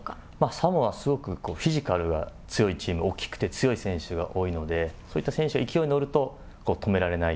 サモア、すごくフィジカルが強いチーム、大きくて強い選手が多いので、そういった選手が勢いに乗ると止められない。